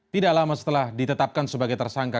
tidak lama setelah ditetapkan sebagai tersangka